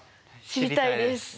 知りたいです。